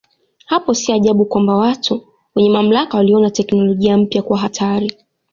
Hapo si ajabu kwamba watu wenye mamlaka waliona teknolojia mpya kuwa hatari.